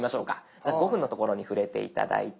じゃあ５分の所に触れて頂いて。